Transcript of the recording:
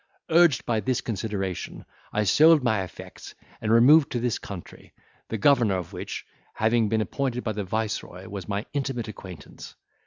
Urged by this consideration, I sold my effects, and removed to this country, the governor of which, having been appointed by the viceroy, was my intimate acquaintance.